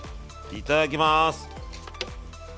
いただきます！